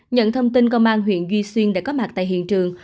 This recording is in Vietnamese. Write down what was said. nhận thông tin công an huyện duy xuyên đã có mặt tại hiện trường